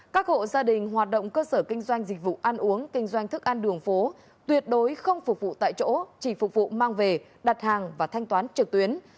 các hộ gia đình hoạt động cơ sở kinh doanh dịch vụ ăn uống kinh doanh thức ăn đường phố tuyệt đối không phục vụ tại chỗ chỉ phục vụ mang về đặt hàng và thanh toán trực tuyến